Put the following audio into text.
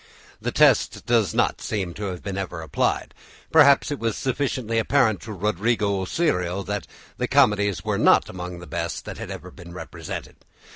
The test does not seem to have been ever applied; perhaps it was sufficiently apparent to Rodrigo Osorio that the comedies were not among the best that had ever been represented.